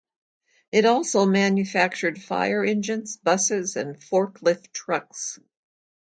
It also manufactured fire engines, buses and fork-lift trucks.